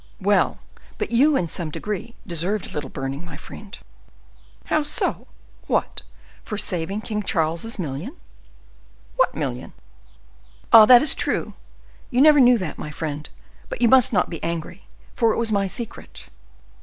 "Well, but you, in some degree, deserved a little burning, my friend." "How so? What, for having saved King Charles's million?" "What million?" "Ah, that is true! you never knew that, my friend; but you must not be angry, for it was my secret.